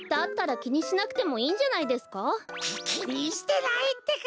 ききにしてないってか。